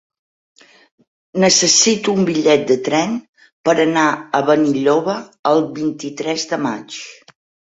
Necessito un bitllet de tren per anar a Benilloba el vint-i-tres de maig.